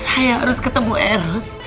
saya harus ketemu eros